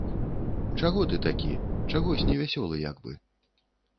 Чаго ты такі, чагось невясёлы як бы?